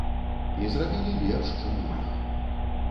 І зрабілі лепш, чым у іх.